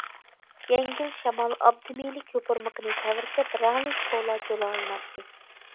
يەڭگىل شامال ئابدىمىلىك يوپۇرمىقىنى تەۋرىتىپ رەڭلىك شولا جۇلالىناتتى.